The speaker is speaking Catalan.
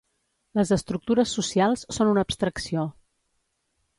Les estructures socials són una abstracció.